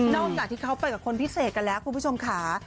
จากที่เขาไปกับคนพิเศษกันแล้วคุณผู้ชมค่ะ